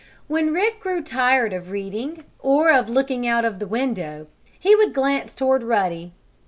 When Rick grew tired of reading or of looking out of the window he would glance toward Ruddy.